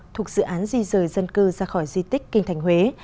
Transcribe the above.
thuộc dự án di rời dân cư ra khỏi di tích kinh thành huế